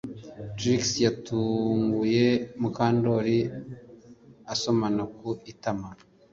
Trix yatunguye Mukandoli asomana ku itama